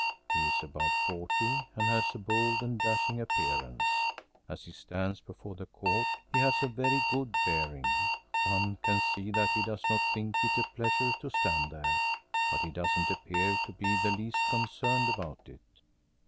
He is about forty and has a bold and dashing appearance. As he stands before the Court, he has a very good bearing. One can see that he does not think it a pleasure to stand there, but he doesn't appear to be the least concerned about it.